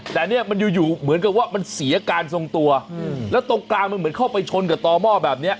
แต่เนี่ยมันอยู่อยู่เหมือนกับว่ามันเสียการทรงตัวแล้วตรงกลางมันเหมือนเข้าไปชนกับต่อหม้อแบบนี้